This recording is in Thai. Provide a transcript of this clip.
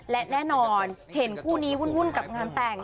และแน่นอนเห็นคู่นี้วุ่นกับงานแต่ง